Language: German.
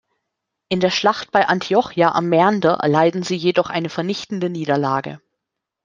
In der Schlacht bei Antiochia am Mäander erleiden sie jedoch eine vernichtende Niederlage.